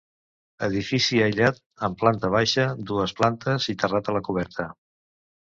Edifici aïllat, amb planta baixa, dues plantes i terrat a la coberta.